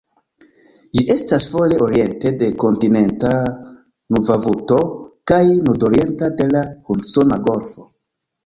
Ĝi estas fore oriente de kontinenta Nunavuto, kaj nordorienta de la Hudsona Golfo.